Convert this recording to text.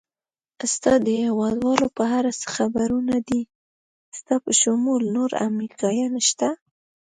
ستا د هېوادوالو په اړه څه خبرونه دي؟ ستا په شمول نور امریکایان شته؟